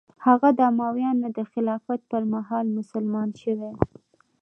هغه د امویانو د خلافت پر مهال مسلمان شوی.